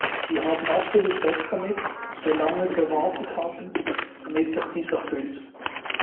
Sich haben absolut Recht damit, dass wir lange gewartet haben, damit sich dies erfüllt.